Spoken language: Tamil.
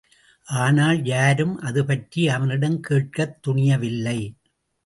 ஆனால், யாரும் அதுபற்றி அவனிடம் கேட்கத் துணியவில்லை.